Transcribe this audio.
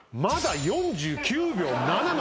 まだ４９秒７。